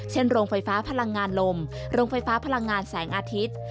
โรงไฟฟ้าพลังงานลมโรงไฟฟ้าพลังงานแสงอาทิตย์